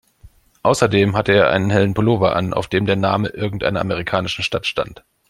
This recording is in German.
Außerdem hatte er einen hellen Pullover an, auf dem der Name irgendeiner amerikanischen Stadt stand.